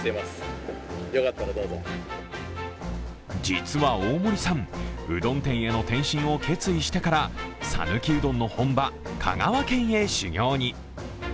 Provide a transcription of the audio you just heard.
実は大森さんうどん店への転身を決意してから讃岐うどんの本場、香川県に修業に。